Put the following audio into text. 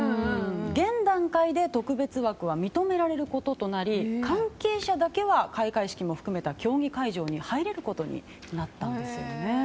現段階で特別枠は認められることとなり関係者だけは開会式を含めた競技会場に入れることになったんですよね。